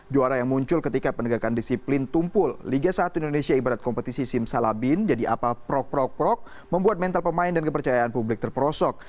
juara yang muncul ketika penegakan disiplin tumpul liga satu indonesia ibarat kompetisi sim salabin jadi apal prok prok prok membuat mental pemain dan kepercayaan publik terperosok